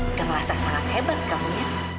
udah ngerasa sangat hebat kamu ya